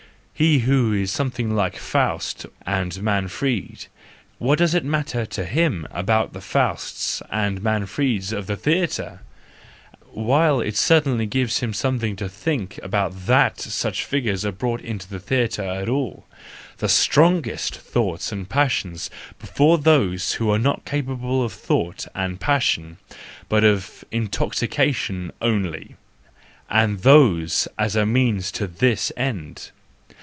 He who is something like Faust and Manfred, what does it matter to him about the Fausts and Manfreds of the theatrel—while it certainly gives him some¬ thing to think about that such figures are brought into the theatre at all. The strongest thoughts and passions before those who are not capable of thought and passion—but of intoxication only! And those as a means to this end